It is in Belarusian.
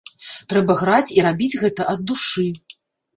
Трэба граць і рабіць гэта ад душы.